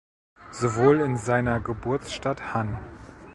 Sowohl in seiner Geburtsstadt Hann.